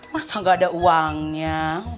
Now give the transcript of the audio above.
masa nggak ada uangnya